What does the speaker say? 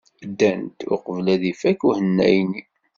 Ddant uqbel ad ifak uhanay-nni.